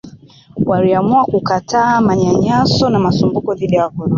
Waliamua kukataa manyanyaso na masumbuko dhidi ya wakoloni